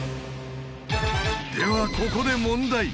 ではここで問題！